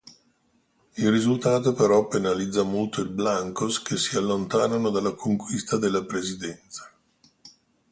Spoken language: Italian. Il risultato però penalizza molto il blancos che si allontanano dalla conquista della presidenza.